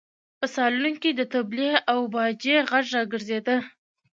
په سالون کې د تبلې او باجې غږ راګرځېده.